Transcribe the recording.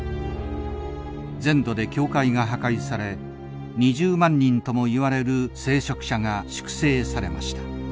全土で教会が破壊され２０万人とも言われる聖職者が粛清されました。